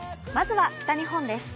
まずは北日本です。